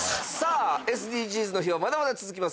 「ＳＤＧｓの日」はまだまだ続きます。